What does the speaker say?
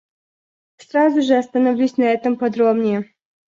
Сразу же остановлюсь на этом подробнее.